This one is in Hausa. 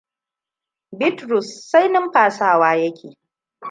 Bitrus sai numfasawa ya ke.